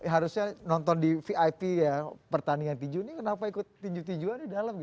harusnya nonton di vip ya pertandingan tinju ini kenapa ikut tinju tinjuan di dalam